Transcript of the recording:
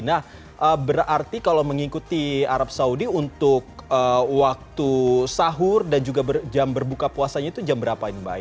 nah berarti kalau mengikuti arab saudi untuk waktu sahur dan juga jam berbuka puasanya itu jam berapa ini mbak